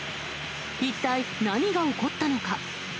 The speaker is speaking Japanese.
一体何が起こったのか。